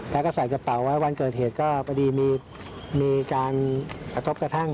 แล้วก็ใส่กระเป๋าไว้วันเกิดเหตุก็พอดีมีการกระทบกระทั่ง